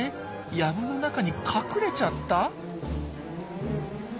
藪の中に隠れちゃった？